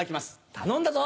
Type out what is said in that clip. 頼んだぞ！